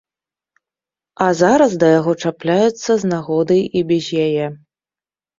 А зараз да яго чапляюцца з нагоды і без яе.